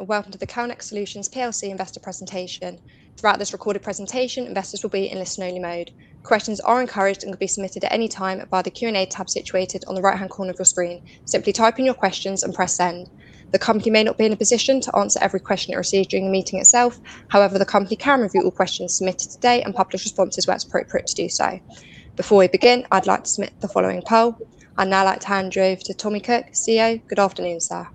Welcome to the Calnex Solutions plc investor presentation. Throughout this recorded presentation, investors will be in listen only mode. Questions are encouraged and can be submitted at any time by the Q&A tab situated on the right-hand corner of your screen. Simply type in your questions and press send. The company may not be in a position to answer every question it receives during the meeting itself. However, the company can review all questions submitted today and publish responses where it is appropriate to do so. Before we begin, I'd like to submit the following poll. I'd now like to hand over to Tommy Cook, CEO. Good afternoon, sir.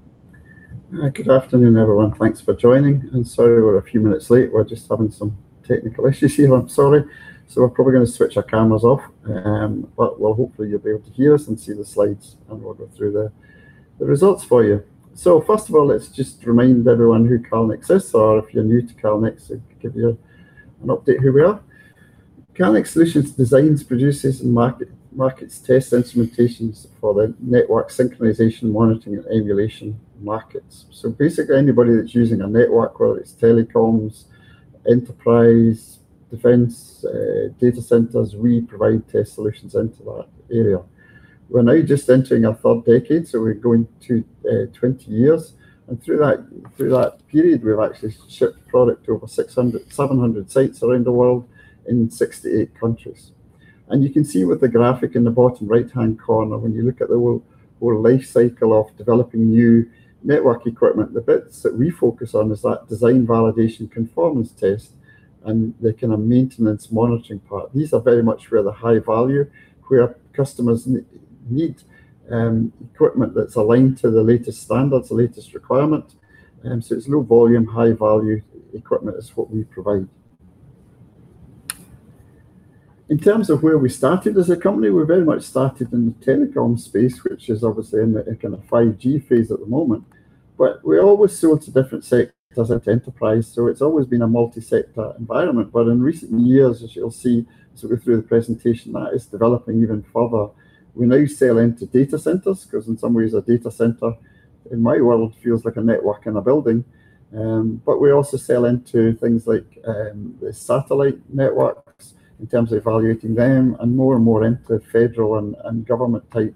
Good afternoon, everyone. Thanks for joining. Sorry we're a few minutes late. We're just having some technical issues here. I'm sorry. We're probably going to switch our cameras off, but hopefully you'll be able to hear us and see the slides, and we'll go through the results for you. First of all, let's just remind everyone who Calnex is, or if you're new to Calnex, give you an update who we are. Calnex Solutions designs, produces, and markets test instrumentations for the network synchronization, monitoring, and emulation markets. Basically, anybody that's using a network, whether it's telecoms, enterprise, defense, data centers, we provide test solutions into that area. We're now just entering our third decade, so we're going to 20 years. Through that period, we've actually shipped product to over 700 sites around the world in 68 countries. You can see with the graphic in the bottom right-hand corner, when you look at the whole life cycle of developing new network equipment, the bits that we focus on is that design validation conformance test and the maintenance monitoring part. These are very much where the high value, where customers need equipment that's aligned to the latest standards, the latest requirement. It's low volume, high value equipment is what we provide. In terms of where we started as a company, we very much started in the telecom space, which is obviously in the 5G phase at the moment. We always sold to different sectors as enterprise, so it's always been a multi-sector environment. In recent years, as you'll see through the presentation, that is developing even further. We now sell into data centers, because in some ways a data center in my world feels like a network in a building. We also sell into things like the satellite networks, in terms of evaluating them, and more and more into federal and government type,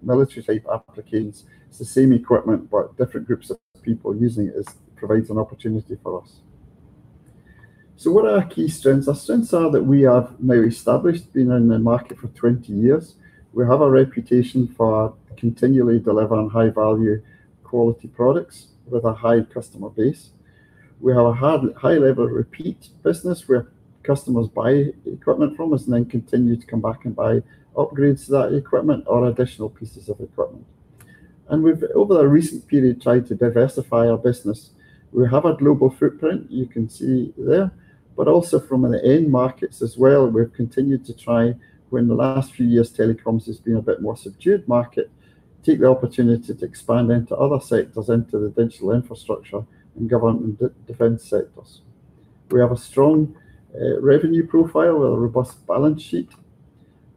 military type applications. It's the same equipment, but different groups of people using it. It provides an opportunity for us. What are our key strengths? Our strengths are that we have now established, been in the market for 20 years. We have a reputation for continually delivering high value, quality products with a high customer base. We have a high level of repeat business, where customers buy equipment from us and then continue to come back and buy upgrades to that equipment or additional pieces of equipment. We've, over the recent period, tried to diversify our business. We have a global footprint, you can see there, but also from an end markets as well. We've continued to try, when the last few years telecoms has been a bit more subdued market, take the opportunity to expand into other sectors, into the digital infrastructure and government defense sectors. We have a strong revenue profile with a robust balance sheet.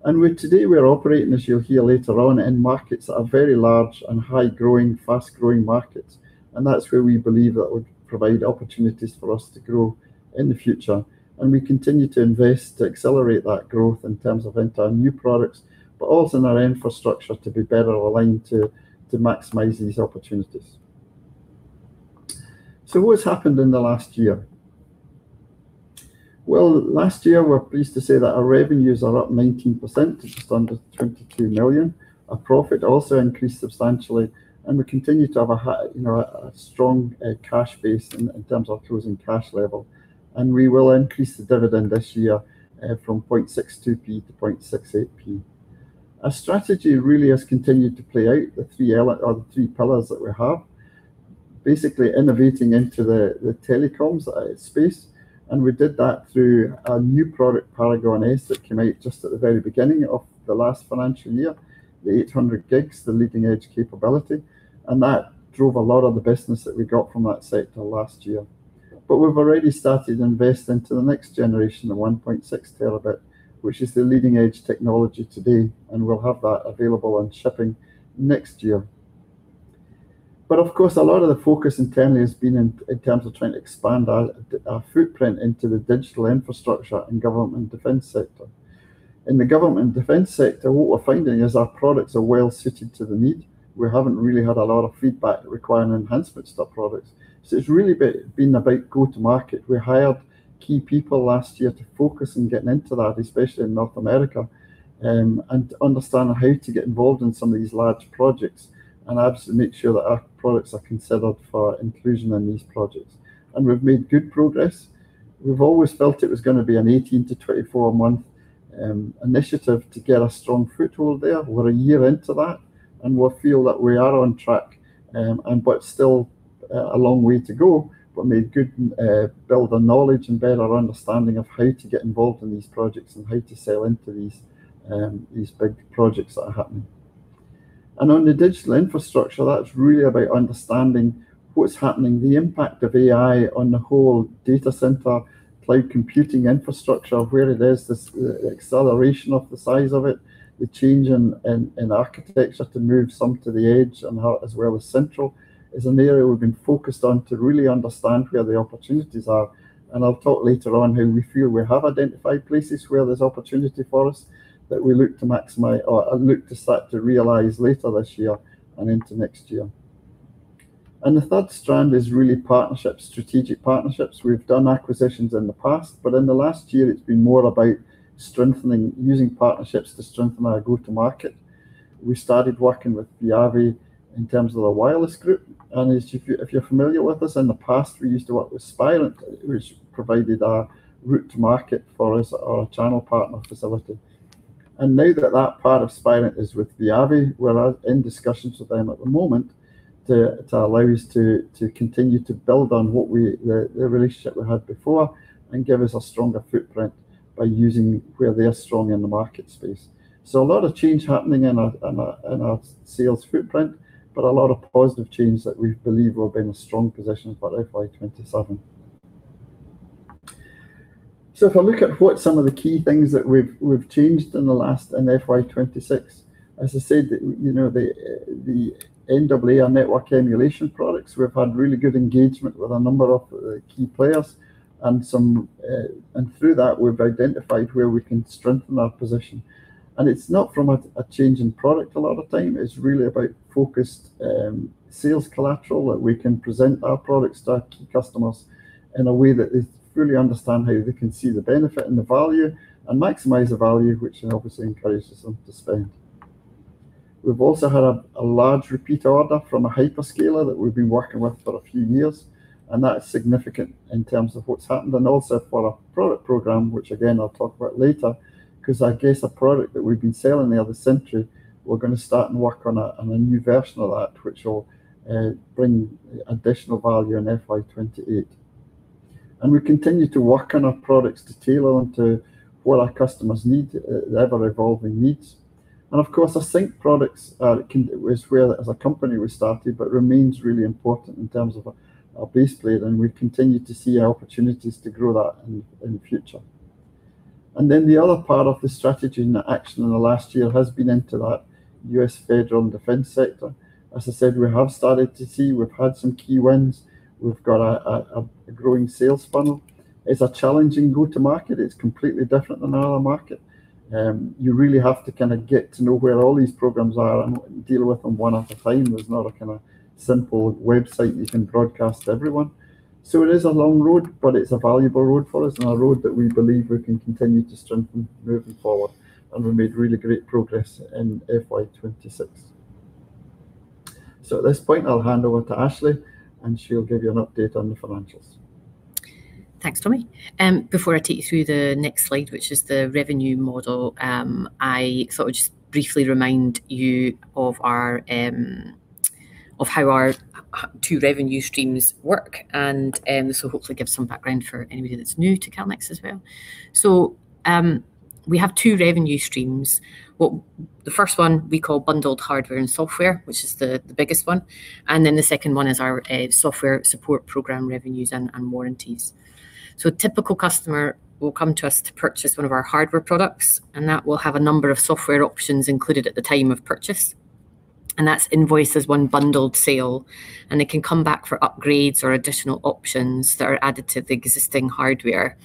Today we are operating, as you'll hear later on, end markets are very large and high growing, fast growing markets. That's where we believe that would provide opportunities for us to grow in the future. We continue to invest to accelerate that growth in terms of into our new products, but also in our infrastructure to be better aligned to maximize these opportunities. What's happened in the last year? Last year, we're pleased to say that our revenues are up 19% to just under 23 million. Our profit also increased substantially, and we continue to have a strong cash base in terms of closing cash level. We will increase the dividend this year from 0.62 to 0.68. Our strategy really has continued to play out, the three pillars that we have. Basically innovating into the telecoms space, and we did that through a new product, Paragon S, that came out just at the very beginning of the last financial year. The 800 Gb, the leading edge capability, and that drove a lot of the business that we got from that sector last year. We've already started investing to the next generation, the 1.6 Tb, which is the leading edge technology today, and we'll have that available and shipping next year. Of course, a lot of the focus internally has been in terms of trying to expand our footprint into the digital infrastructure and government defense sector. In the government defense sector, what we're finding is our products are well suited to the need. We haven't really had a lot of feedback requiring enhancements to our products. It's really been about go to market. We hired key people last year to focus on getting into that, especially in North America, and to understand how to get involved in some of these large projects and absolutely make sure that our products are considered for inclusion in these projects. We've made good progress. We've always felt it was going to be an 18-24-month initiative to get a strong foothold there. We're a year into that, and we feel that we are on track. Still a long way to go, but made good build of knowledge and build our understanding of how to get involved in these projects and how to sell into these big projects that are happening. On the digital infrastructure, that's really about understanding what's happening, the impact of AI on the whole data center, cloud computing infrastructure, where it is, the acceleration of the size of it, the change in architecture to move some to the edge and how as well as central, is an area we've been focused on to really understand where the opportunities are. I'll talk later on how we feel we have identified places where there's opportunity for us that we look to maximize or look to start to realize later this year and into next year. The third strand is really partnerships, strategic partnerships. We've done acquisitions in the past, but in the last year, it's been more about using partnerships to strengthen our go-to-market. We started working with VIAVI in terms of the wireless group, and if you're familiar with us, in the past, we used to work with Spirent, which provided a route to market for us or a channel partner facility. Now that that part of Spirent is with VIAVI, we're in discussions with them at the moment to allow us to continue to build on the relationship we had before and give us a stronger footprint by using where they're strong in the market space. A lot of change happening in our sales footprint, but a lot of positive change that we believe will be in a strong position for FY 2027. If I look at what some of the key things that we've changed in the last, in FY 2026, as I said, the [NEA] network emulation products, we've had really good engagement with a number of key players, and through that, we've identified where we can strengthen our position. It's not from a change in product a lot of time. It's really about focused sales collateral that we can present our products to our key customers in a way that they fully understand how they can see the benefit and the value and maximize the value, which then obviously encourages them to spend. We've also had a large repeat order from a hyperscaler that we've been working with for a few years, and that's significant in terms of what's happened, and also for our product program, which again, I'll talk about later, because I guess a product that we've been selling the other Sentry, we're going to start and work on a new version of that which will bring additional value in FY 2028. We continue to work on our products to tailor them to what our customers need, ever-evolving needs. Of course, the sync products is where as a company we started, but remains really important in terms of our base plate, and we continue to see opportunities to grow that in the future. The other part of the strategy and the action in the last year has been into that U.S. federal defense sector. As I said, we have started to see, we've had some key wins. We've got a growing sales funnel. It's a challenging go-to-market. It's completely different than our other market. You really have to kind of get to know where all these programs are and deal with them one at a time. There's not a kind of simple website you can broadcast to everyone. It is a long road, but it's a valuable road for us and a road that we believe we can continue to strengthen moving forward, and we made really great progress in FY 2026. At this point, I'll hand over to Ashleigh, and she'll give you an update on the financials. Thanks, Tommy. Before I take you through the next slide, which is the revenue model, I thought I'd just briefly remind you of how our two revenue streams work, and this will hopefully give some background for anybody that's new to Calnex as well. We have two revenue streams. The first one we call bundled hardware and software, which is the biggest one, and then the second one is our software support program revenues and warranties. A typical customer will come to us to purchase one of our hardware products, and that will have a number of software options included at the time of purchase. That's invoiced as one bundled sale, and they can come back for upgrades or additional options that are added to the existing hardware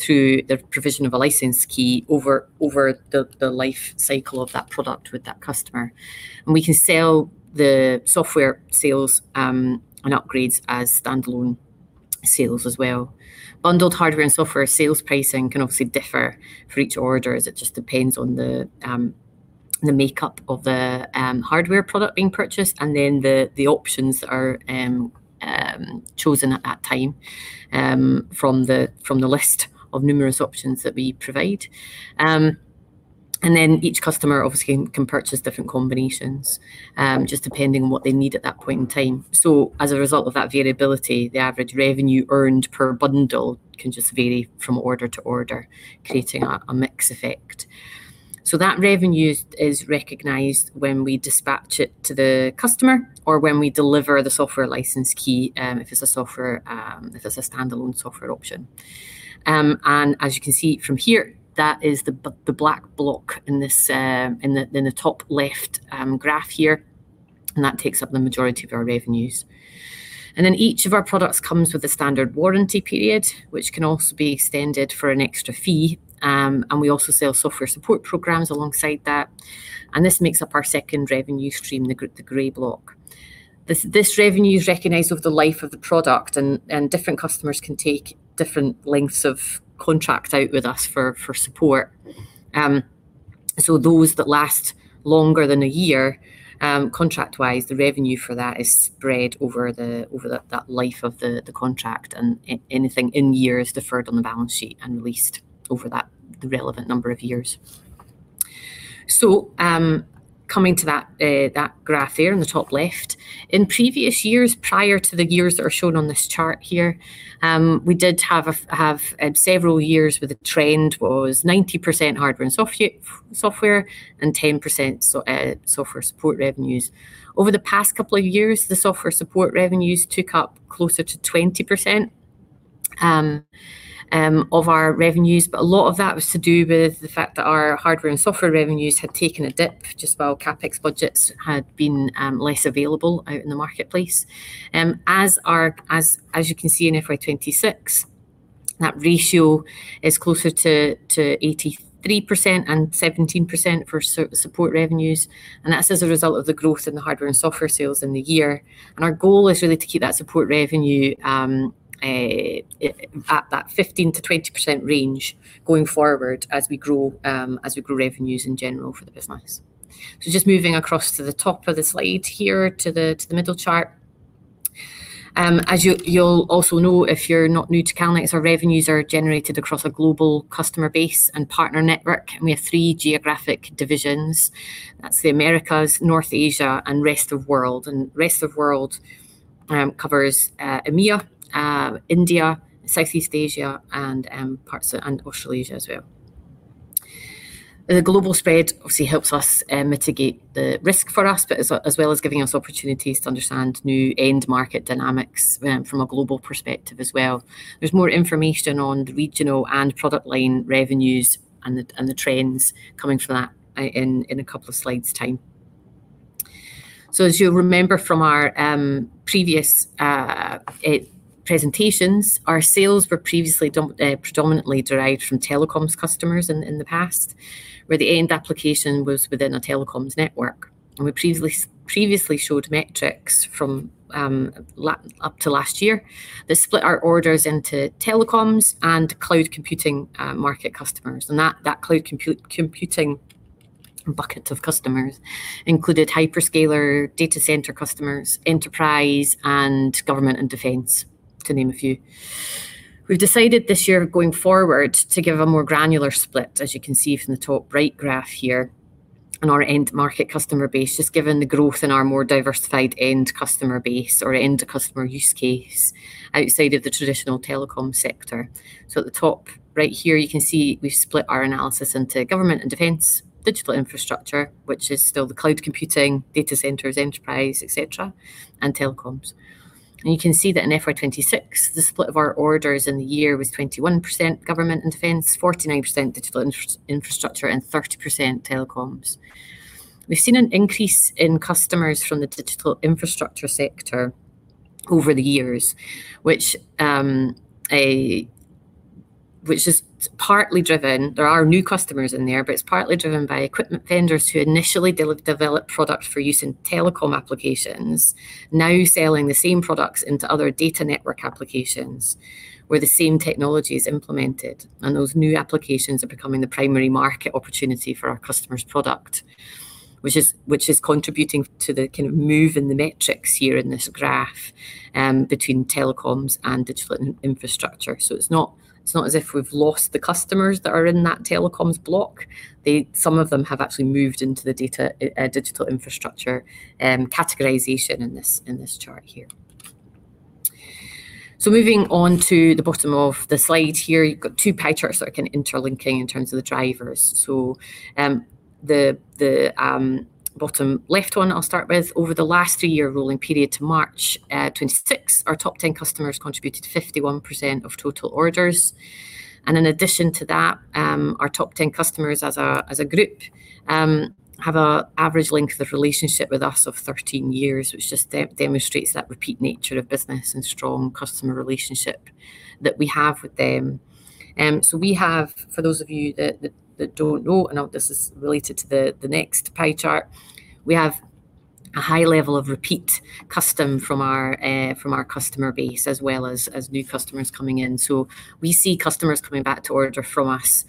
through the provision of a license key over the life cycle of that product with that customer. We can sell the software sales and upgrades as standalone sales as well. Bundled hardware and software sales pricing can obviously differ for each order as it just depends on the makeup of the hardware product being purchased, and then the options are chosen at that time from the list of numerous options that we provide. Each customer obviously can purchase different combinations, just depending on what they need at that point in time. As a result of that variability, the average revenue earned per bundle can just vary from order to order, creating a mix effect. That revenue is recognized when we dispatch it to the customer or when we deliver the software license key, if it's a standalone software option. As you can see from here, that is the black block in the top left graph here, and that takes up the majority of our revenues. Then each of our products comes with a standard warranty period, which can also be extended for an extra fee. We also sell software support programs alongside that, and this makes up our second revenue stream, the gray block. This revenue is recognized over the life of the product, and different customers can take different lengths of contract out with us for support. Those that last longer than a year, contract-wise, the revenue for that is spread over that life of the contract, and anything in year is deferred on the balance sheet and released over that relevant number of years. Coming to that graph there in the top left. In previous years, prior to the years that are shown on this chart here, we did have several years where the trend was 90% hardware and software, and 10% software support revenues. Over the past couple of years, the software support revenues took up closer to 20% of our revenues. A lot of that was to do with the fact that our hardware and software revenues had taken a dip just while CapEx budgets had been less available out in the marketplace. As you can see in FY 2026, that ratio is closer to 83% and 17% for support revenues, and that's as a result of the growth in the hardware and software sales in the year. Our goal is really to keep that support revenue at that 15%-20% range going forward as we grow revenues in general for the business. Just moving across to the top of the slide here to the middle chart. As you'll also know, if you're not new to Calnex, our revenues are generated across a global customer base and partner network, and we have three geographic divisions. That's the Americas, North Asia, and rest of world. Rest of world covers EMEA, India, Southeast Asia, and Australasia as well. The global spread obviously helps us mitigate the risk for us, but as well as giving us opportunities to understand new end market dynamics from a global perspective as well. There's more information on the regional and product line revenues and the trends coming from that in a couple of slides' time. As you'll remember from our previous presentations, our sales were previously predominantly derived from telecoms customers in the past, where the end application was within a telecoms network. We previously showed metrics from up to last year that split our orders into telecoms and cloud computing market customers, and that cloud computing bucket of customers included hyperscaler, data center customers, enterprise, and government and defense, to name a few. We've decided this year going forward to give a more granular split, as you can see from the top right graph here, on our end market customer base, just given the growth in our more diversified end customer base or end customer use case outside of the traditional telecom sector. At the top right here, you can see we've split our analysis into government and defense; digital infrastructure, which is still the cloud computing, data centers, enterprise, et cetera; and telecoms. You can see that in FY 2026, the split of our orders in the year was 21% government and defense, 49% digital infrastructure, and 30% telecoms. We've seen an increase in customers from the digital infrastructure sector over the years, which is partly driven, there are new customers in there, but it's partly driven by equipment vendors who initially developed products for use in telecom applications, now selling the same products into other data network applications where the same technology is implemented. Those new applications are becoming the primary market opportunity for our customer's product, which is contributing to the kind of move in the metrics here in this graph between telecoms and digital infrastructure. It's not as if we've lost the customers that are in that telecoms block. Some of them have actually moved into the digital infrastructure categorization in this chart here. Moving on to the bottom of the slide here, you've got two pie charts that are kind of interlinking in terms of the drivers. The bottom left one I'll start with. Over the last three-year rolling period to March 2026, our top 10 customers contributed 51% of total orders. In addition to that, our top 10 customers as a group, have a average length of relationship with us of 13 years, which just demonstrates that repeat nature of business and strong customer relationship that we have with them. We have, for those of you that don't know, and this is related to the next pie chart, we have a high level of repeat custom from our customer base as well as new customers coming in. We see customers coming back to order from us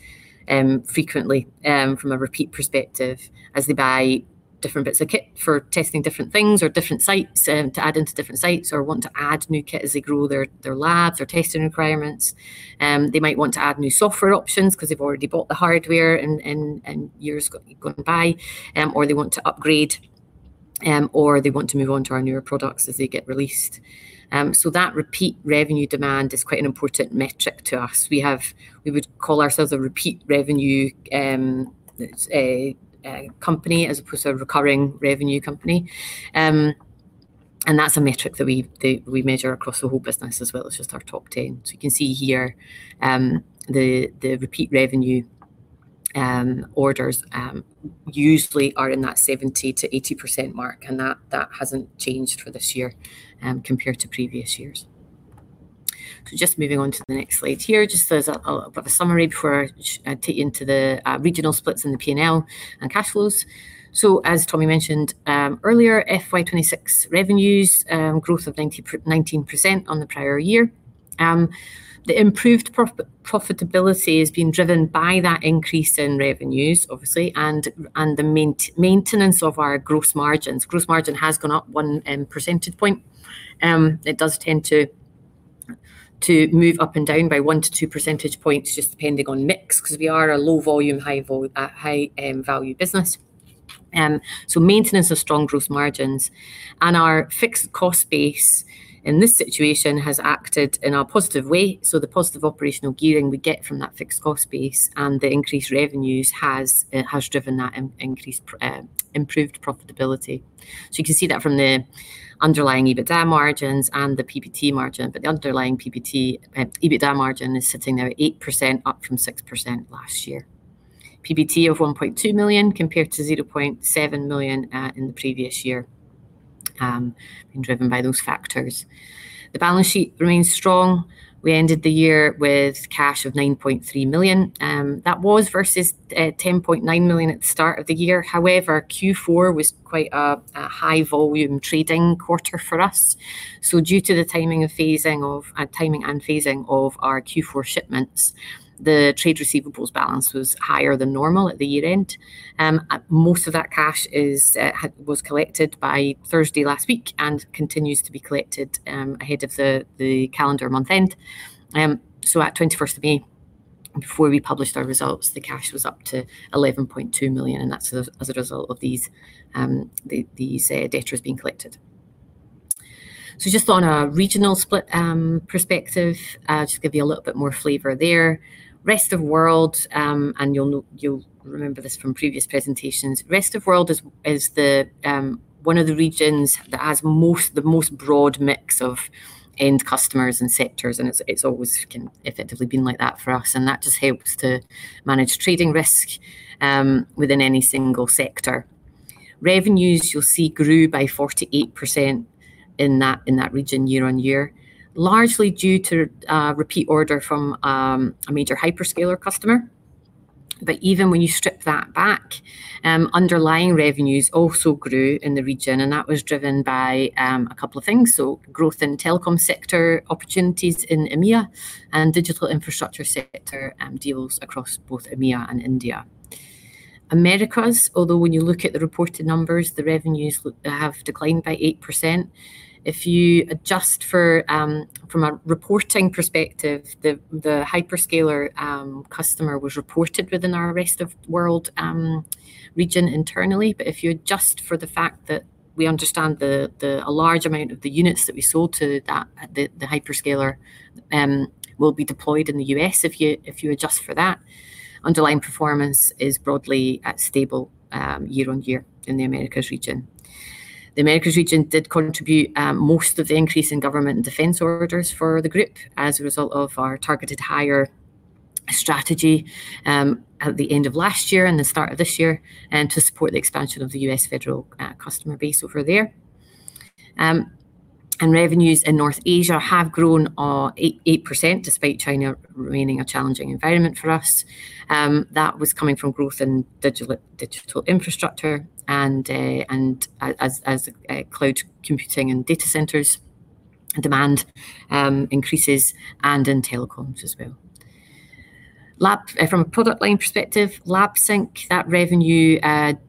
frequently, from a repeat perspective, as they buy different bits of kit for testing different things or different sites, to add into different sites or want to add new kit as they grow their labs, their testing requirements. They might want to add new software options because they've already bought the hardware and years have gone by, or they want to upgrade, or they want to move on to our newer products as they get released. That repeat revenue demand is quite an important metric to us. We would call ourselves a repeat revenue company as opposed to a recurring revenue company, and that's a metric that we measure across the whole business as well as just our top 10. You can see here, the repeat revenue orders usually are in that 70%-80% mark, and that hasn't changed for this year compared to previous years. Just moving on to the next slide here, just as a bit of a summary before I take you into the regional splits in the P&L and cash flows. As Tommy mentioned earlier, FY 2026 revenues, growth of 19% on the prior year. The improved profitability is being driven by that increase in revenues, obviously, and the maintenance of our gross margins. Gross margin has gone up one percentage point. It does tend to move up and down by one to two percentage points just depending on mix because we are a low volume, high value business. Maintenance of strong gross margins. Our fixed cost base in this situation has acted in a positive way, so the positive operational gearing we get from that fixed cost base and the increased revenues has driven that improved profitability. You can see that from the underlying EBITDA margins and the PBT margin, but the underlying EBITDA margin is sitting there at 8%, up from 6% last year. PBT of 1.2 million compared to 0.7 million in the previous year, been driven by those factors. The balance sheet remains strong. We ended the year with cash of 9.3 million. That was versus 10.9 million at the start of the year. However, Q4 was quite a high volume trading quarter for us. Due to the timing and phasing of our Q4 shipments, the trade receivables balance was higher than normal at the year-end. Most of that cash was collected by Thursday last week and continues to be collected ahead of the calendar month-end. At 21st of May, before we published our results, the cash was up to 11.2 million, and that's as a result of these debtors being collected. Just on a regional split perspective, just give you a little bit more flavor there. Rest of World, and you'll remember this from previous presentations, Rest of World is one of the regions that has the most broad mix of end customers and sectors, and it's always effectively been like that for us, and that just helps to manage trading risk within any single sector. Revenues, you'll see, grew by 48% in that region year-on-year, largely due to a repeat order from a major hyperscaler customer. Even when you strip that back, underlying revenues also grew in the region, and that was driven by a couple of things. Growth in telecom sector opportunities in EMEA and digital infrastructure sector deals across both EMEA and India. Americas, although when you look at the reported numbers, the revenues have declined by 8%. If you adjust from a reporting perspective, the hyperscaler customer was reported within our Rest of World region internally. If you adjust for the fact that we understand a large amount of the units that we sold to the hyperscaler will be deployed in the U.S., if you adjust for that, underlying performance is broadly stable year-on-year in the Americas region. The Americas region did contribute most of the increase in government and defense orders for the group as a result of our targeted hire strategy at the end of last year and the start of this year, to support the expansion of the U.S. federal customer base over there. Revenues in North Asia have grown 8%, despite China remaining a challenging environment for us. That was coming from growth in digital infrastructure as cloud computing and data centers demand increases and in telecoms as well. From a product line perspective, Lab Sync, that revenue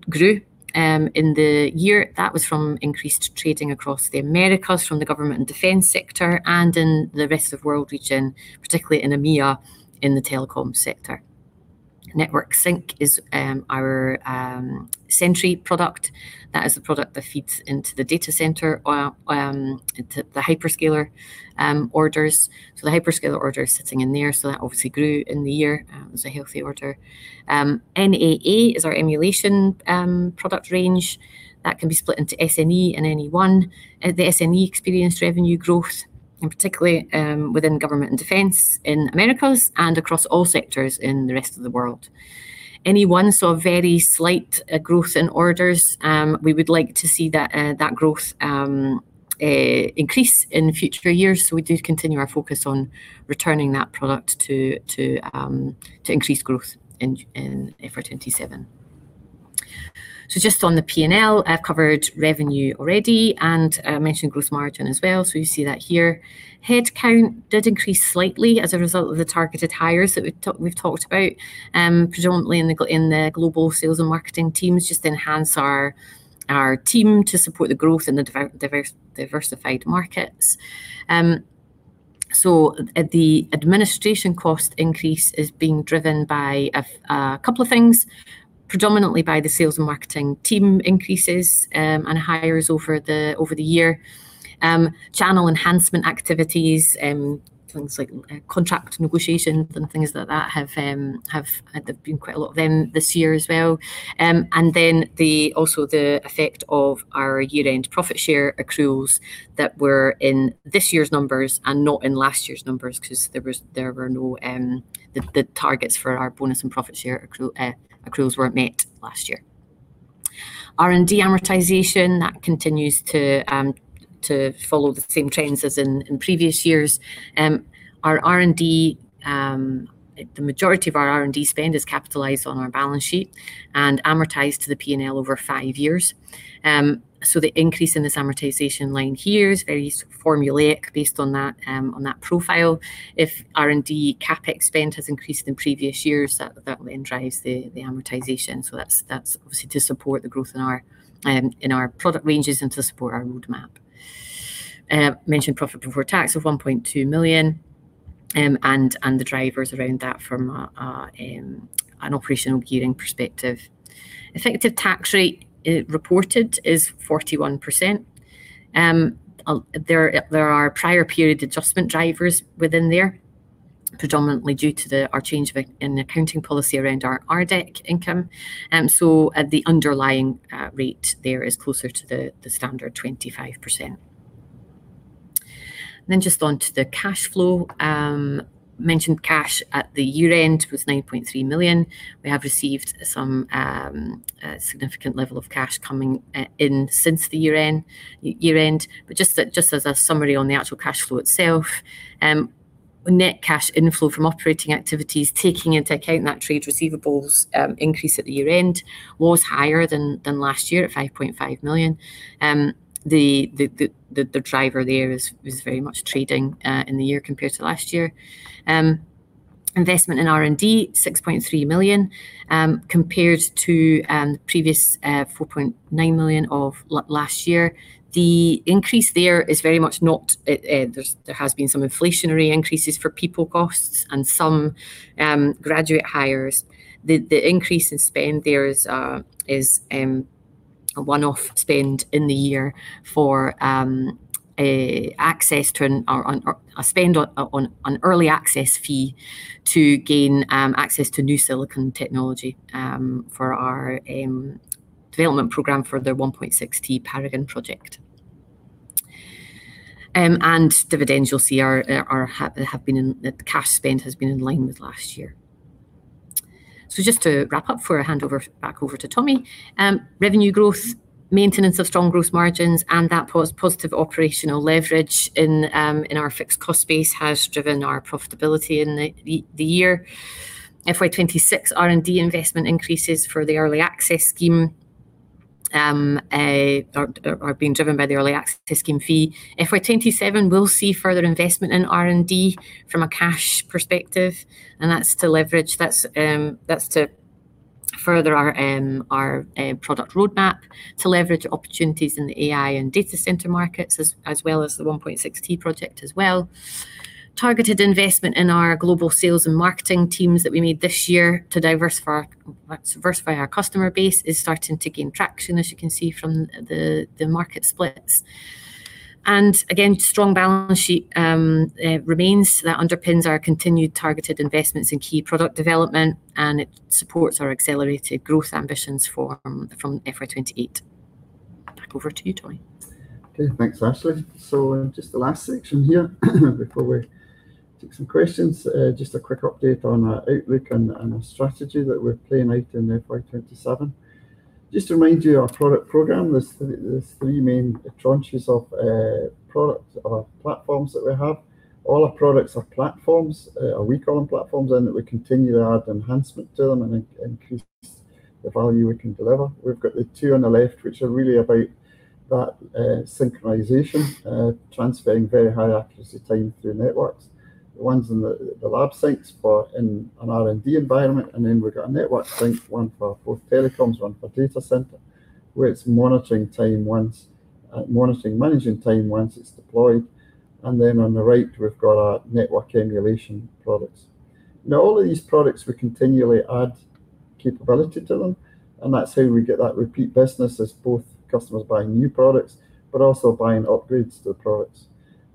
grew in the year. That was from increased trading across the Americas from the government and defense sector and in the Rest of World region, particularly in EMEA, in the telecom sector. Network Sync is our Sentry product. That is the product that feeds into the data center or the hyperscaler orders. The hyperscaler order is sitting in there. That obviously grew in the year as a healthy order. NEA is our emulation product range that can be split into SNE and NE-ONE. The SNE experienced revenue growth, and particularly within government and defense in Americas and across all sectors in the rest of the world. NE-ONE saw very slight growth in orders. We would like to see that growth increase in future years so we do continue our focus on returning that product to increase growth in FY 2027. Just on the P&L, I've covered revenue already and mentioned gross margin as well, so you see that here. Headcount did increase slightly as a result of the targeted hires that we've talked about predominantly in the global sales and marketing teams just enhance our team to support the growth in the diversified markets. The administration cost increase is being driven by a couple of things, predominantly by the sales and marketing team increases and hires over the year. Channel enhancement activities, things like contract negotiations and things like that have had been quite a lot of them this year as well. Also the effect of our year-end profit share accruals that were in this year's numbers and not in last year's numbers because the targets for our bonus and profit share accruals weren't met last year. R&D amortization, that continues to follow the same trends as in previous years. The majority of our R&D spend is capitalized on our balance sheet and amortized to the P&L over five years. The increase in this amortization line here is very formulaic based on that profile. If R&D CapEx spend has increased in previous years, that then drives the amortization. That's obviously to support the growth in our product ranges and to support our roadmap. Mentioned profit before tax of 1.2 million, and the drivers around that from an operational gearing perspective. Effective tax rate reported is 41%. There are prior period adjustment drivers within there, predominantly due to our change in accounting policy around our RDEC income. The underlying rate there is closer to the standard 25%. Just onto the cash flow. Mentioned cash at the year-end was 9.3 million. We have received some significant level of cash coming in since the year-end. Just as a summary on the actual cash flow itself, net cash inflow from operating activities, taking into account that trade receivables increase at the year-end, was higher than last year at 5.5 million. The driver there is very much trading in the year compared to last year. Investment in R&D, 6.3 million, compared to previous 4.9 million of last year. The increase there is very much not. There has been some inflationary increases for people costs and some graduate hires. The increase in spend there is a one-off spend in the year for access to, or a spend on an early access fee to gain access to new silicon technology for our development program for the 1.6 Tb Paragon project. Dividends you'll see the cash spend has been in line with last year. Just to wrap up before I hand back over to Tommy. Revenue growth, maintenance of strong growth margins, and that positive operational leverage in our fixed cost base has driven our profitability in the year. FY 2026 R&D investment increases for the early access scheme are being driven by the early access scheme fee. FY 2027, we'll see further investment in R&D from a cash perspective, and that's to further our product roadmap to leverage opportunities in the AI and data center markets, as well as the 1.6 Tb project as well. Targeted investment in our global sales and marketing teams that we made this year to diversify our customer base is starting to gain traction, as you can see from the market splits. Again, strong balance sheet remains that underpins our continued targeted investments in key product development, and it supports our accelerated growth ambitions from FY 2028. Back over to you, Tommy. Okay, thanks, Ashleigh. Just the last section here before we take some questions. Just a quick update on our outlook and our strategy that we're playing out in FY 2027. Just to remind you, our product program, there's three main tranches of product or platforms that we have. All our products are platforms, or we call them platforms, and we continue to add enhancement to them and increase the value we can deliver. We've got the two on the left, which are really about that synchronization, transferring very high accuracy time through networks. The ones in the Lab Sync are in an R&D environment, and then we've got a Network Sync, one for both telecoms, one for data center, where it's monitoring managing time once it's deployed. On the right, we've got our network emulation products. All of these products, we continually add capability to them, and that's how we get that repeat business as both customers buying new products, but also buying upgrades to the products.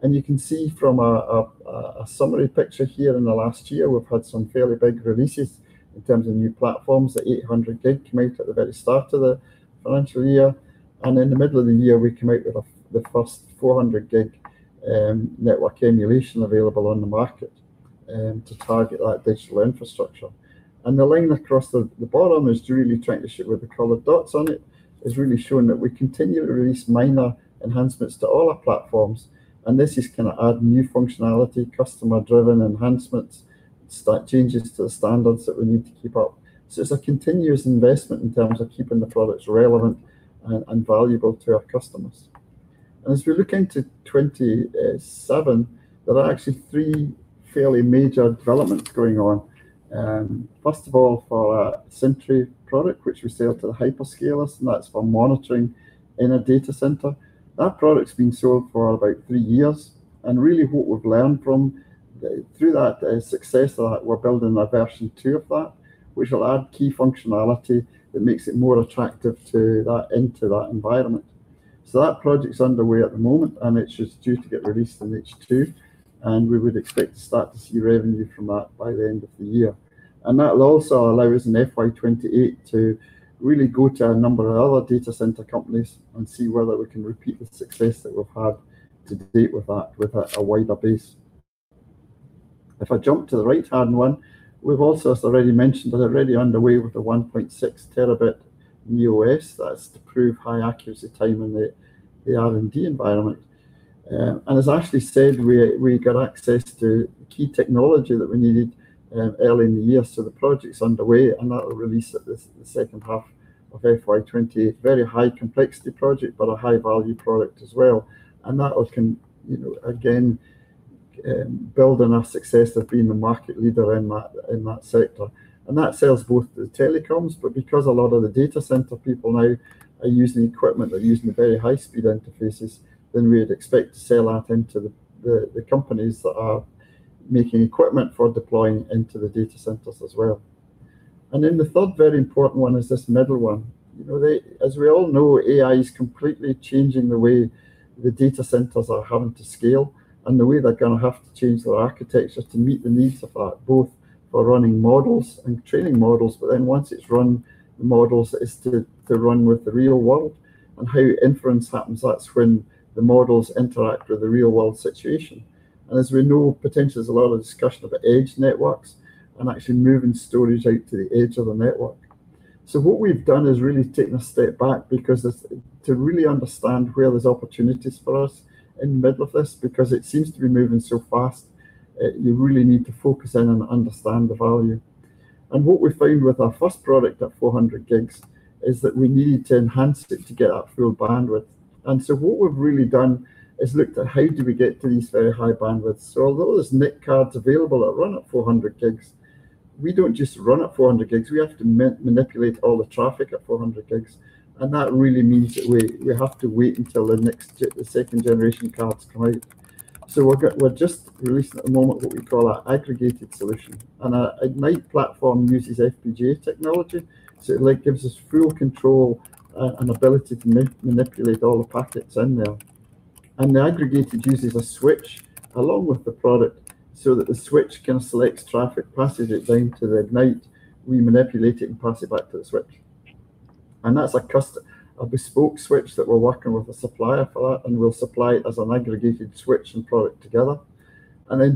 You can see from a summary picture here in the last year, we've had some fairly big releases in terms of new platforms. The 800 Gb came out at the very start of the financial year, and in the middle of the year, we came out with the first 400 Gb network emulation available on the market to target that digital infrastructure. The line across the bottom is really trying to show with the colored dots on it, is really showing that we continue to release minor enhancements to all our platforms. This is adding new functionality, customer-driven enhancements, slight changes to the standards that we need to keep up. It's a continuous investment in terms of keeping the products relevant and valuable to our customers. As we look into 2027, there are actually three fairly major developments going on. First of all, for our Sentry product, which we sell to the hyperscalers, and that's for monitoring in a data center. That product's been sold for about three years, and really what we've learned through that success, that we're building a version two of that, which will add key functionality that makes it more attractive into that environment. That project's underway at the moment, and it's just due to get released in H2. We would expect to start to see revenue from that by the end of the year. That will also allow us in FY 2028 to really go to a number of other data center companies and see whether we can repeat the success that we've had to date with that with a wider base. If I jump to the right-hand one, we've also already mentioned that we're already underway with the 1.6 Tb neo-S. That's to prove high accuracy time in the R&D environment. As Ashleigh said, we got access to key technology that we needed early in the year, so the project's underway, and that will release at the second half of FY 2028. Very high complexity project, but a high value product as well. That can again build on our success of being the market leader in that sector. That sells both to the telecoms, but because a lot of the data center people now are using equipment, they're using the very high-speed interfaces, then we'd expect to sell that into the companies that are making equipment for deploying into the data centers as well. Then the third very important one is this middle one. As we all know, AI is completely changing the way the data centers are having to scale, and the way they're going to have to change their architecture to meet the needs of that, both for running models and training models, but then once it's run the models, it's to run with the real world. How inference happens, that's when the models interact with the real world situation. As we know, potentially there's a lot of discussion about edge networks and actually moving storage out to the edge of the network. What we've done is really taken a step back because to really understand where there's opportunities for us in the middle of this, because it seems to be moving so fast, you really need to focus in and understand the value. What we found with our first product at 400 Gb is that we needed to enhance it to get that full bandwidth. What we've really done is looked at how do we get to these very high bandwidths. Although there's NIC cards available that run at 400 Gb, we don't just run at 400 Gb, we have to manipulate all the traffic at 400 Gb, and that really means that we have to wait until the next gen, the second generation cards come out. We're just releasing at the moment what we call our aggregated solution. Our Ignite platform uses FPGA technology, so it gives us full control and ability to manipulate all the packets in there. The aggregated uses a switch along with the product so that the switch can select traffic, passes it down to the Ignite, we manipulate it and pass it back to the switch. That's a bespoke switch that we're working with a supplier for that, and we'll supply it as an aggregated switch and product together.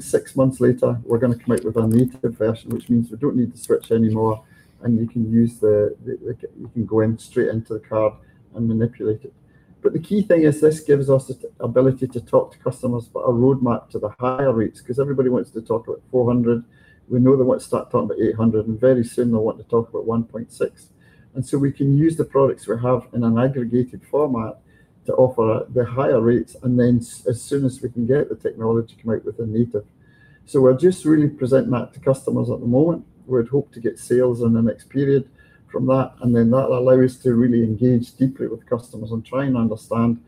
Six months later, we're going to come out with our native version, which means we don't need the switch anymore, and you can go in straight into the card and manipulate it. The key thing is this gives us the ability to talk to customers about a roadmap to the higher rates, because everybody wants to talk about 400 Gb, we know they want to start talking about 800 Gb, and very soon they'll want to talk about 1.6 Tb. We can use the products we have in an aggregated format to offer the higher rates, and then as soon as we can get the technology to come out with the native. We're just really presenting that to customers at the moment. We'd hope to get sales in the next period from that. That'll allow us to really engage deeply with customers and try and understand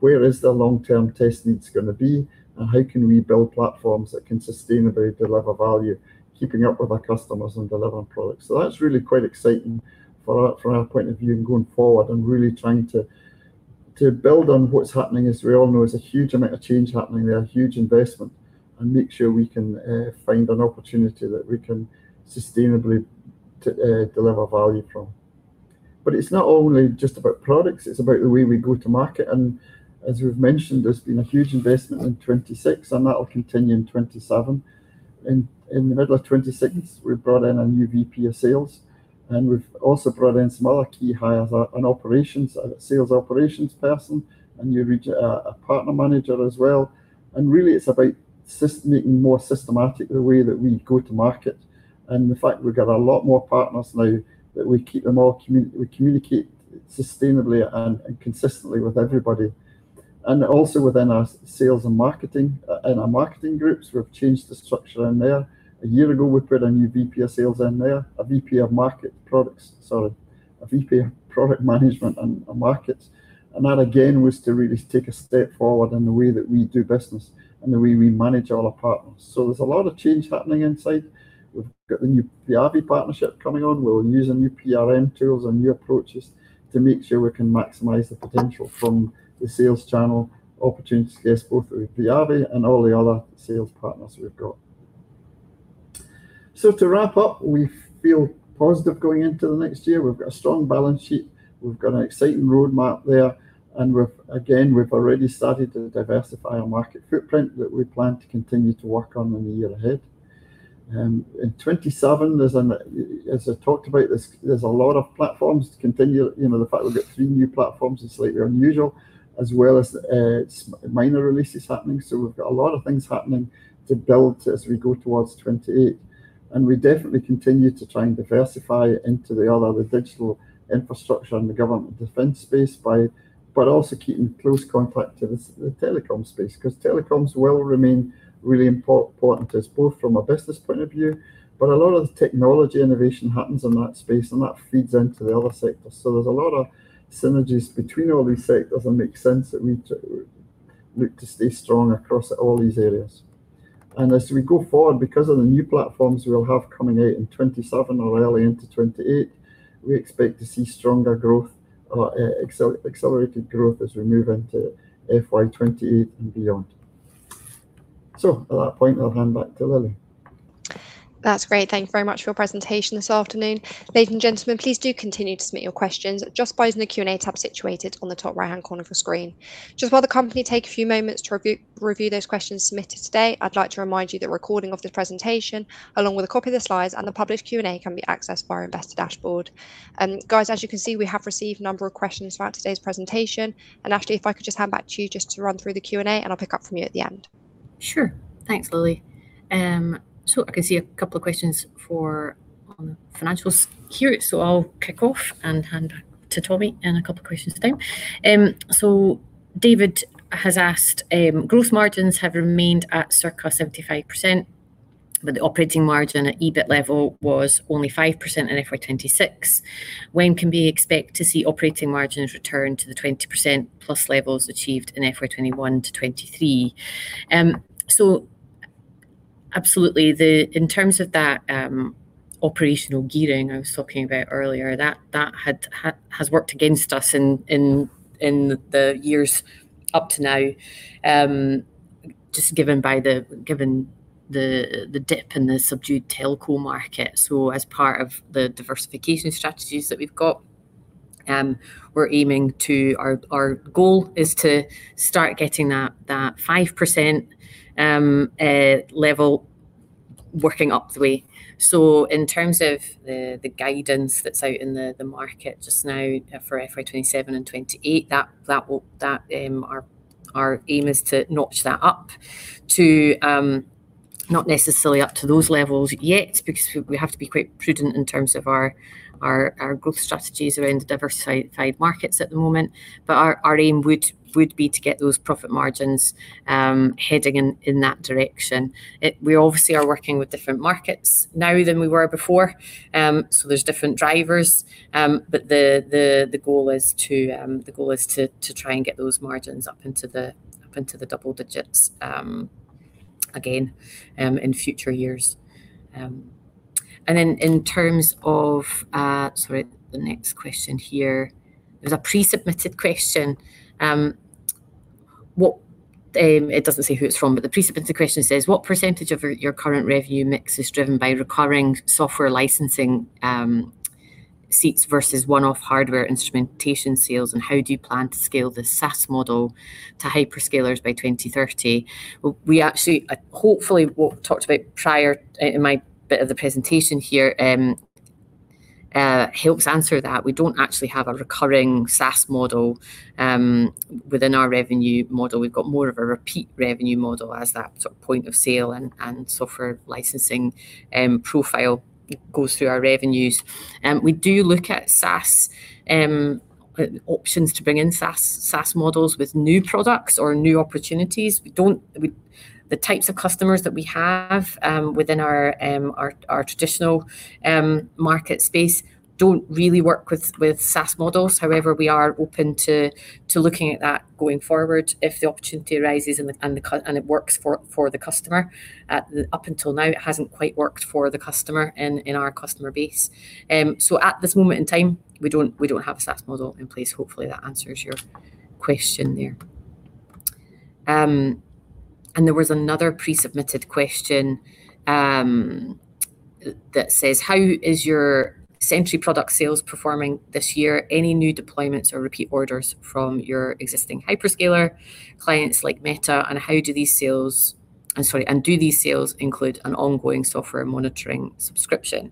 where is the long-term testing's going to be and how can we build platforms that can sustainably deliver value, keeping up with our customers and delivering products. That's really quite exciting from our point of view and going forward and really trying to build on what's happening, as we all know, is a huge amount of change happening there, huge investment, and make sure we can find an opportunity that we can sustainably deliver value from. It's not only just about products, it's about the way we go to market. As we've mentioned, there's been a huge investment in FY 2026, and that will continue in FY 2027. In the middle of FY 2026, we brought in a new VP of Sales, and we've also brought in some other key hires, a sales operations person, a new partner manager as well. Really it's about making more systematic the way that we go to market. The fact we've got a lot more partners now that we keep them all. We communicate sustainably and consistently with everybody. Also within our sales and our marketing groups, we've changed the structure in there. A year ago, we put a new VP of Sales in there, a VP of Product Management and Markets. That again was to really take a step forward in the way that we do business and the way we manage all our partners. There's a lot of change happening inside. We've got the new VIAVI partnership coming on. We're using new PRM tools and new approaches to make sure we can maximize the potential from the sales channel opportunities yes both with VIAVI and all the other sales partners we've got. To wrap up, we feel positive going into the next year. We've got a strong balance sheet. We've got an exciting roadmap there, and again, we've already started to diversify our market footprint that we plan to continue to work on in the year ahead. In 2027, as I talked about, there's a lot of platforms to continue. The fact we've got three new platforms is slightly unusual, as well as minor releases happening. We've got a lot of things happening to build as we go towards 2028. We definitely continue to try and diversify into the all other digital infrastructure and the government defense space, but also keeping close contact to the telecom space, because telecoms will remain really important to us both from a business point of view, but a lot of the technology innovation happens in that space and that feeds into the other sectors. There's a lot of synergies between all these sectors, and it makes sense that we look to stay strong across all these areas. As we go forward, because of the new platforms we'll have coming out in 2027 or early into 2028, we expect to see stronger growth or accelerated growth as we move into FY 2028 and beyond. At that point, I'll hand back to Lily. That's great. Thank you very much for your presentation this afternoon. Ladies and gentlemen, please do continue to submit your questions just by using the Q&A tab situated on the top right-hand corner of your screen. Just while the company take a few moments to review those questions submitted today, I'd like to remind you that a recording of this presentation, along with a copy of the slides and the published Q&A, can be accessed via our investor dashboard. Guys, as you can see, we have received a number of questions throughout today's presentation. Ashleigh, if I could just hand back to you just to run through the Q&A, and I'll pick up from you at the end. Sure. Thanks, Lily. I can see a couple of questions for financials here, so I'll kick off and hand back to Tommy, and a couple questions to them. David has asked, "Growth margins have remained at circa 75%, but the operating margin at EBIT level was only 5% in FY 2026." When can we expect to see operating margins return to the 20%+ levels achieved in FY 2021 to FY 2023? Absolutely, in terms of that operational gearing I was talking about earlier, that has worked against us in the years up to now, just given the dip in the subdued telco market. As part of the diversification strategies that Our goal is to start getting that 5% level working up the way. In terms of the guidance that's out in the market just now for FY 2027 and 2028, our aim is to notch that up, not necessarily up to those levels yet, because we have to be quite prudent in terms of our growth strategies around diversified markets at the moment. Our aim would be to get those profit margins heading in that direction. We obviously are working with different markets now than we were before, so there's different drivers. The goal is to try and get those margins up into the double digits again in future years. In terms of, sorry, the next question here. It was a pre-submitted question. It doesn't say who it's from, but the pre-submitted question says, "What percentage of your current revenue mix is driven by recurring software licensing seats versus one-off hardware instrumentation sales, and how do you plan to scale the SaaS model to hyperscalers by 2030?" Hopefully, what we talked about prior in my bit of the presentation here helps answer that. We don't actually have a recurring SaaS model within our revenue model. We've got more of a repeat revenue model as that point of sale and software licensing profile goes through our revenues. We do look at SaaS options to bring in SaaS models with new products or new opportunities. The types of customers that we have within our traditional market space don't really work with SaaS models. We are open to looking at that going forward if the opportunity arises, and it works for the customer. Up until now, it hasn't quite worked for the customer in our customer base. At this moment in time, we don't have a SaaS model in place. Hopefully, that answers your question there. There was another pre-submitted question that says, "How is your Sentry product sales performing this year? Any new deployments or repeat orders from your existing hyperscaler clients like Meta, and do these sales include an ongoing software monitoring subscription?"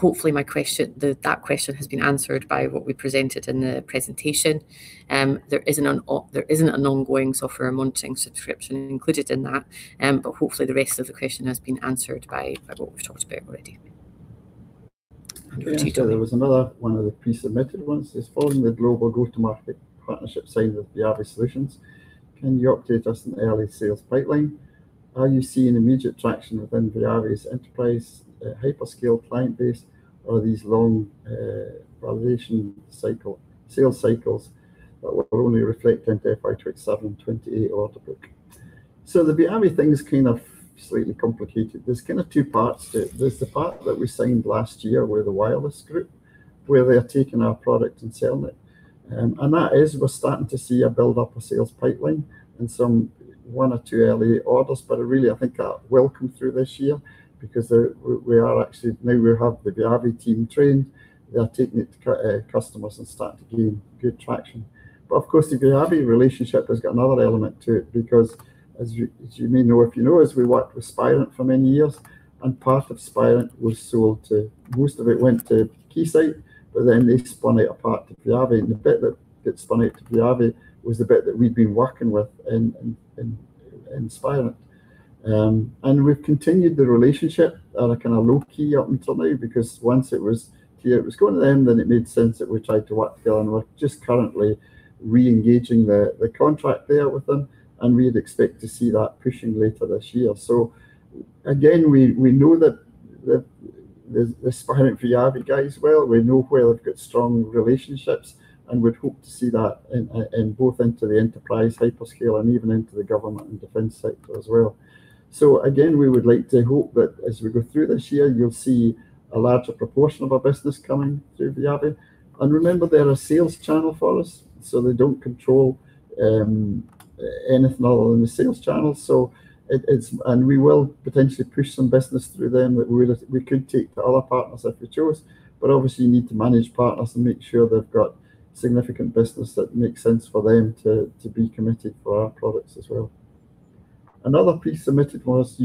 Hopefully, that question has been answered by what we presented in the presentation. There isn't an ongoing software monitoring subscription included in that, but hopefully the rest of the question has been answered by what we've talked about already. There was another one of the pre-submitted ones is, "Following the global go-to-market partnership signed with VIAVI Solutions, can you update us on the early sales pipeline? Are you seeing immediate traction within VIAVI's enterprise hyperscale client base, or are these long validation sales cycles that will only reflect into FY 2027 and FY 2028 order book?" The VIAVI thing is kind of slightly complicated. There's kind of two parts to it. There's the part that we signed last year with the wireless group, where they are taking our product and selling it. That is, we're starting to see a build up of sales pipeline and one or two early orders. Really, I think that will come through this year because now we have the VIAVI team trained. They are taking it to customers and starting to gain good traction. Of course, the VIAVI relationship has got another element to it because as you may know, if you know us, we worked with Spirent for many years, and part of Spirent was sold to, most of it went to Keysight, but then they spun it apart to VIAVI, and the bit that got spun out to VIAVI was the bit that we'd been working with in Spirent. We've continued the relationship at a kind of low key up until now because once it was clear it was going to them, then it made sense that we tried to work together, and we're just currently re-engaging the contract there with them, and we'd expect to see that pushing later this year. Again, we know that the Spirent VIAVI guys well. We know where they've got strong relationships. We'd hope to see that both into the enterprise hyperscale and even into the government and defense sector as well. Again, we would like to hope that as we go through this year, you'll see a larger proportion of our business coming through VIAVI. Remember, they're a sales channel for us, so they don't control anything other than the sales channel. We will potentially push some business through them that we could take to other partners if we chose. Obviously, you need to manage partners and make sure they've got significant business that makes sense for them to be committed for our products as well. Another pre-submitted was,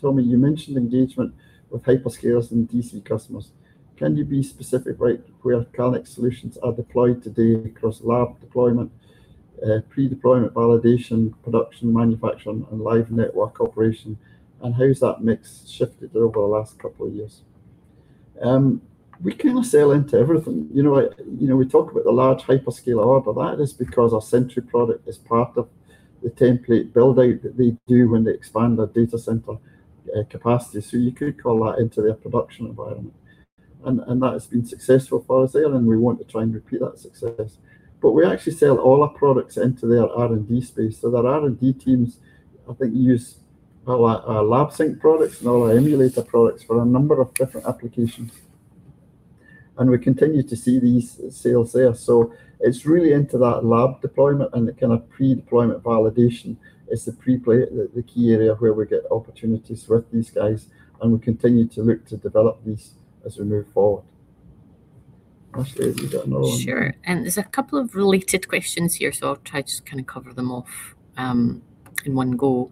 "Tommy, you mentioned engagement with hyperscalers and DC customers. Can you be specific where Calnex Solutions are deployed today across lab deployment, pre-deployment validation, production, manufacturing, and live network operation, and how has that mix shifted over the last couple of years? We kind of sell into everything. We talk about the large hyperscaler order. That is because our Sentry product is part of the template build-out that they do when they expand their data center capacity. You could call that into their production environment, and that has been successful for us there, and we want to try and repeat that success. We actually sell all our products into their R&D space. Their R&D teams, I think, use our Lab Sync products and all our emulator products for a number of different applications, and we continue to see these sales there. It's really into that lab deployment and the kind of pre-deployment validation is the key area where we get opportunities with these guys, and we continue to look to develop these as we move forward. Ashleigh, have you got another one? Sure. There's a couple of related questions here. I'll try to just cover them off in one go.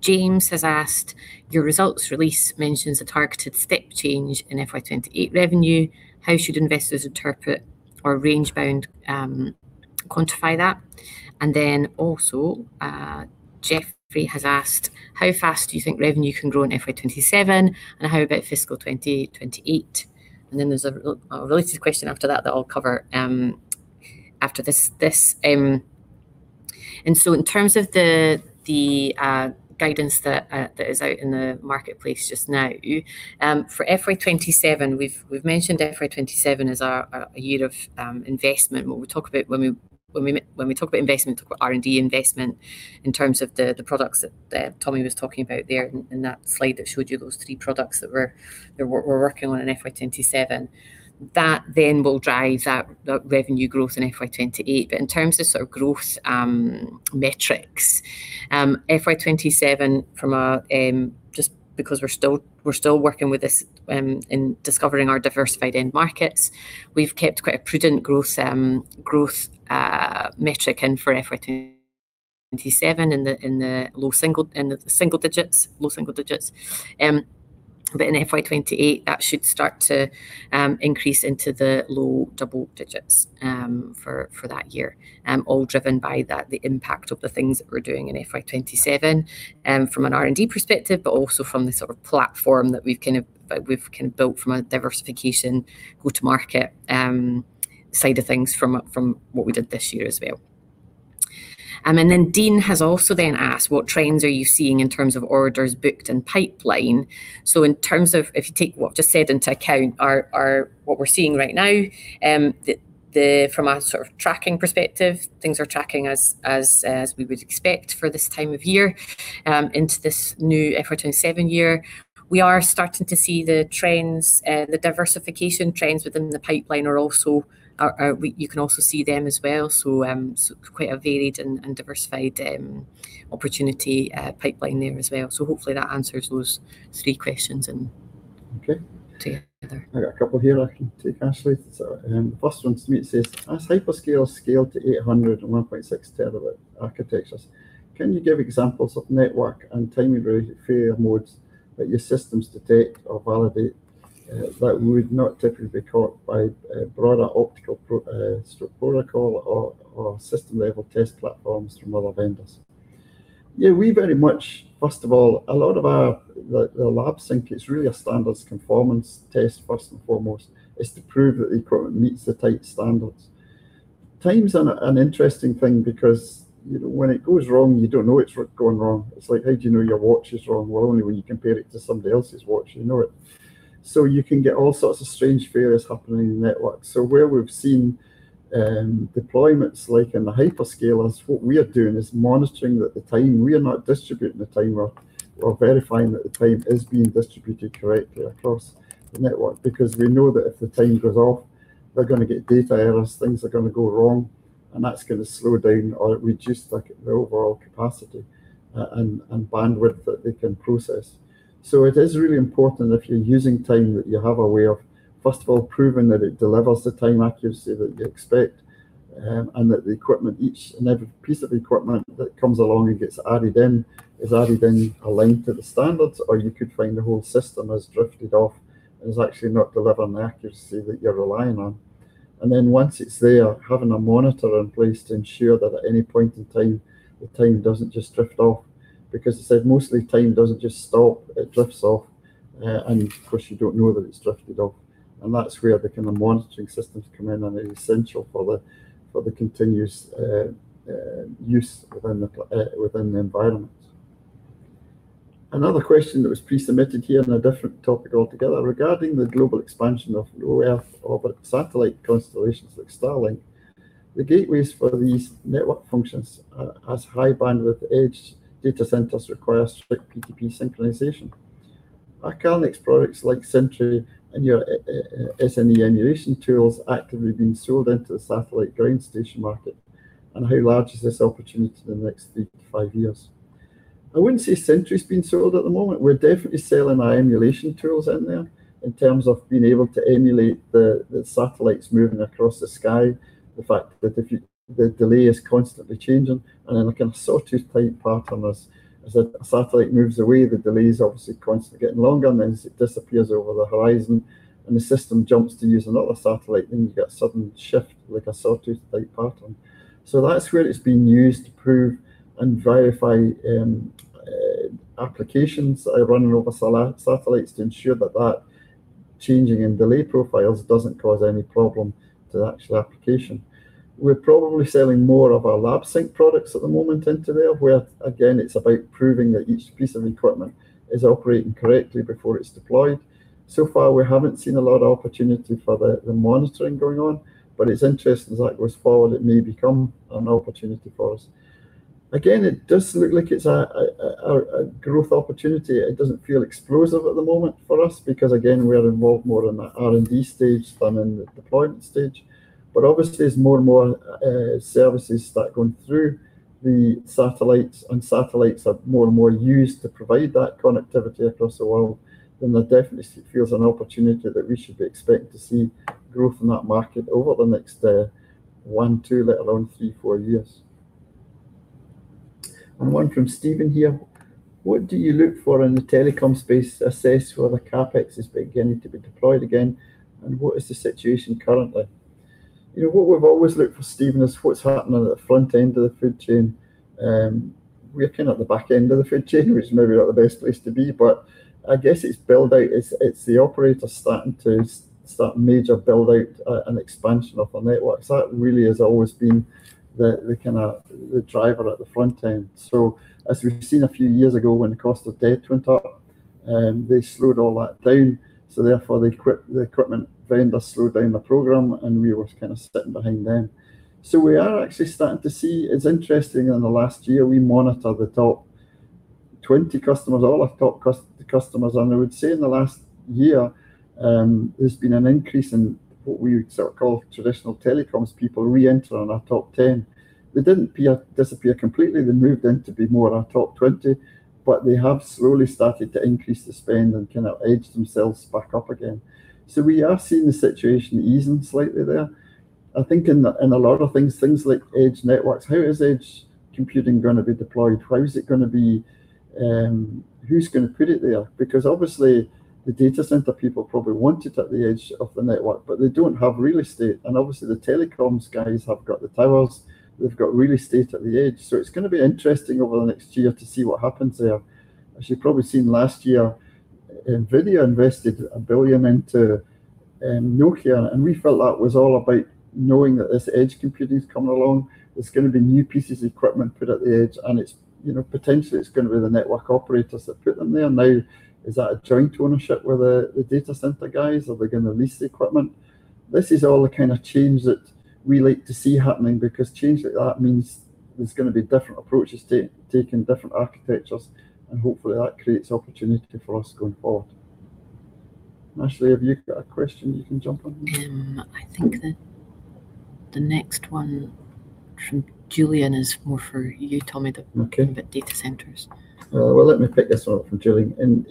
James has asked, "Your results release mentions a targeted step change in FY 2028 revenue." "How should investors interpret or range bound quantify that?" Jeffrey has asked, "How fast do you think revenue can grow in FY 2027, and how about fiscal 2028?" There's a related question after that that I'll cover after this. In terms of the guidance that is out in the marketplace just now, for FY 2027, we've mentioned FY 2027 as our year of investment. When we talk about investment, we talk about R&D investment in terms of the products that Tommy was talking about there in that slide that showed you those three products that we're working on in FY 2027. That will drive that revenue growth in FY 2028. In terms of growth metrics, FY 2027, just because we're still working with this in discovering our diversified end markets, we've kept quite a prudent growth metric in for FY 2027 in the low single digits. In FY 2028, that should start to increase into the low double digits for that year, all driven by the impact of the things that we're doing in FY 2027 from an R&D perspective, but also from the platform that we've built from a diversification go-to-market side of things from what we did this year as well. Dean has also then asked, "What trends are you seeing in terms of orders booked and pipeline?" If you take what I just said into account, what we're seeing right now from a tracking perspective, things are tracking as we would expect for this time of year into this new FY 2027 year. We are starting to see the trends, the diversification trends within the pipeline, you can also see them as well. Quite a varied and diversified opportunity pipeline there as well. Hopefully that answers those three questions in- Okay together. I've got a couple here I can take, Ashleigh. The first one to me, it says, "As hyperscale scale to 800 Gb and 1.6 Tb architectures, can you give examples of network and timing failure modes that your systems detect or validate that would not typically be caught by a broader optical protocol or system-level test platforms from other vendors?" First of all, a lot of the Lab Sync, it's really a standards conformance test first and foremost. It's to prove that the equipment meets the tight standards. Time's an interesting thing because when it goes wrong, you don't know it's going wrong. It's like how do you know your watch is wrong? Well, only when you compare it to somebody else's watch you know it. You can get all sorts of strange failures happening in networks. Where we've seen deployments like in the hyperscalers, what we are doing is monitoring the time. We are not distributing the time or verifying that the time is being distributed correctly across the network, because we know that if the time goes off, they're going to get data errors, things are going to go wrong, and that's going to slow down or reduce the overall capacity and bandwidth that they can process. It is really important if you're using time, that you have a way of, first of all, proving that it delivers the time accuracy that you expect, and that each and every piece of equipment that comes along and gets added in is added in aligned to the standards, or you could find the whole system has drifted off and is actually not delivering the accuracy that you're relying on. Then once it's there, having a monitor in place to ensure that at any point in time, the time doesn't just drift off. As I said, mostly time doesn't just stop, it drifts off. Of course, you don't know that it's drifted off. That's where the monitoring systems come in, and they're essential for the continuous use within the environment. Another question that was pre-submitted here on a different topic altogether. "Regarding the global expansion of low Earth orbit satellite constellations like Starlink, the gateways for these network functions, as high bandwidth edge data centers require strict PTP synchronization. Are Calnex products like Sentry and your SNE emulation tools actively being sold into the satellite ground station market? How large is this opportunity in the next three to five years?" I wouldn't say Sentry's being sold at the moment. We're definitely selling our emulation tools into there in terms of being able to emulate the satellites moving across the sky. The fact that the delay is constantly changing, and then a sawtooth type pattern as the satellite moves away, the delay is obviously constantly getting longer, and then as it disappears over the horizon and the system jumps to use another satellite, then you get a sudden shift like a sawtooth type pattern. That's where it's being used to prove and verify applications that are running over satellites to ensure that that changing in delay profiles doesn't cause any problem to the actual application. We're probably selling more of our Lab Sync products at the moment into there, where, again, it's about proving that each piece of equipment is operating correctly before it's deployed. So far, we haven't seen a lot of opportunity for the monitoring going on, but it's interesting as that goes forward, it may become an opportunity for us. Again, it does look like it's a growth opportunity. It doesn't feel explosive at the moment for us because, again, we are involved more in the R&D stage than in the deployment stage. Obviously, as more and more services start going through the satellites, and satellites are more and more used to provide that connectivity across the world, there definitely feels an opportunity that we should be expecting to see growth in that market over the next one, two, let alone three, four years. One from Stephen here: "What do you look for in the telecom space to assess whether CapEx is beginning to be deployed again, and what is the situation currently?" What we've always looked for, Stephen, is what's happening at the front end of the food chain. We're kind of at the back end of the food chain, which is maybe not the best place to be, but I guess it's the operator starting to start major build-out and expansion of the networks. That really has always been the driver at the front end. As we've seen a few years ago, when the cost of debt went up, they slowed all that down, so therefore, the equipment vendors slowed down the program, and we were kind of sitting behind them. We are actually starting to see It's interesting, in the last year, we monitor the top 20 customers, all our top customers, and I would say in the last year, there's been an increase in what we would call traditional telecoms people re-enter in our top 10. They didn't disappear completely. They moved into be more our top 20, but they have slowly started to increase the spend and kind of edge themselves back up again. We are seeing the situation easing slightly there. I think in a lot of things like edge networks, how is edge computing going to be deployed? How is it going to be? Who's going to put it there? Obviously, the data center people probably want it at the edge of the network, but they don't have real estate, obviously, the telecoms guys have got the towers, they've got real estate at the edge. It's going to be interesting over the next year to see what happens there. As you've probably seen last year, NVIDIA invested 1 billion into Nokia, we felt that was all about knowing that this edge computing is coming along. There's going to be new pieces of equipment put at the edge, potentially, it's going to be the network operators that put them there. Now, is that a joint ownership with the data center guys? Are they going to lease the equipment? This is all the kind of change that we like to see happening because change like that means there's going to be different approaches taken, different architectures, and hopefully that creates opportunity for us going forward. Ashleigh, have you got a question you can jump on here? I think the next one from Julian is more for you, Tommy. Okay about data centers. Let me pick this one up from Julian. In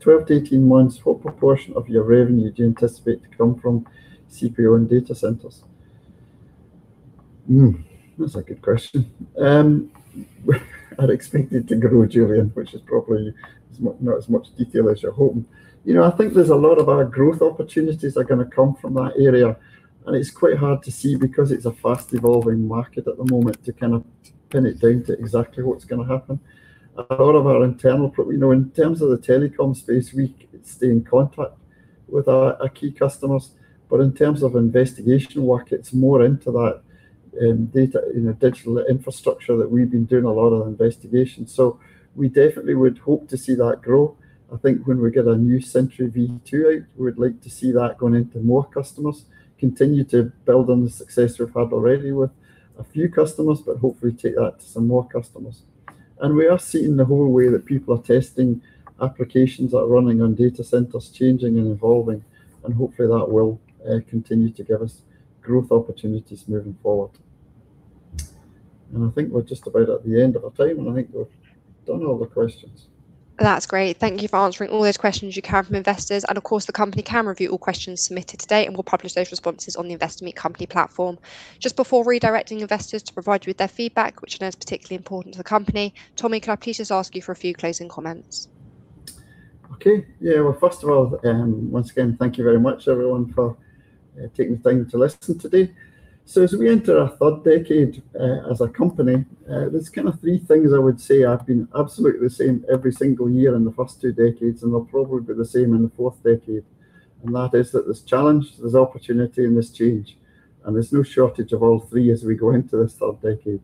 12-18 months, what proportion of your revenue do you anticipate to come from CPO and data centers? That's a good question. I'd expect it to grow, Julian, which is probably not as much detail as you're hoping. I think there's a lot of our growth opportunities are going to come from that area, and it's quite hard to see because it's a fast-evolving market at the moment to kind of pin it down to exactly what's going to happen. A lot of our internal In terms of the telecom space, we stay in contact with our key customers, but in terms of investigation work, it's more into that data in a digital infrastructure that we've been doing a lot of investigation. We definitely would hope to see that grow. I think when we get our new Sentry V2 out, we'd like to see that going into more customers, continue to build on the success we've had already with a few customers, but hopefully take that to some more customers. We are seeing the whole way that people are testing applications that are running on data centers changing and evolving, and hopefully that will continue to give us growth opportunities moving forward. I think we're just about at the end of our time, and I think we've done all the questions. That's great. Thank you for answering all those questions you have from investors. Of course, the company can review all questions submitted today, and we'll publish those responses on the Investor Meet Company platform. Just before redirecting investors to provide you with their feedback, which I know is particularly important to the company, Tommy, could I please just ask you for a few closing comments? Okay. Yeah. Well, first of all, once again, thank you very much, everyone, for taking the time to listen today. As we enter our third decade as a company, there's kind of three things I would say have been absolutely the same every single year in the first two decades, and they'll probably be the same in the fourth decade. That is that there's challenge, there's opportunity, and there's change. There's no shortage of all three as we go into this third decade.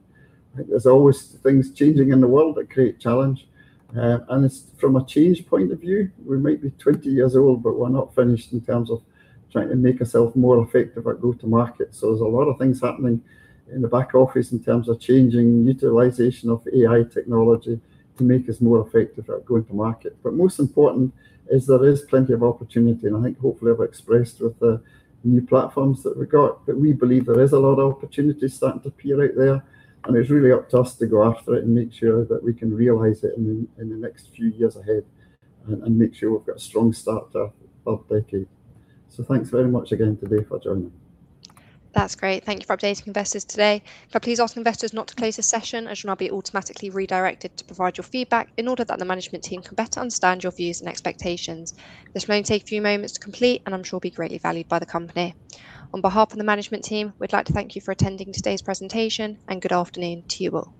There's always things changing in the world that create challenge. From a change point of view, we might be 20 years old, but we're not finished in terms of trying to make ourself more effective at go-to-market. There's a lot of things happening in the back office in terms of changing utilization of AI technology to make us more effective at going to market. Most important is there is plenty of opportunity, and I think hopefully I've expressed with the new platforms that we've got, that we believe there is a lot of opportunities starting to appear out there, and it's really up to us to go after it and make sure that we can realize it in the next few years ahead and make sure we've got a strong start to our third decade. Thanks very much again today for joining. That's great. Thank you for updating investors today. Could I please ask investors not to close this session, as you'll now be automatically redirected to provide your feedback in order that the management team can better understand your views and expectations. This will only take a few moments to complete and I'm sure will be greatly valued by the company. On behalf of the management team, we'd like to thank you for attending today's presentation, and good afternoon to you all.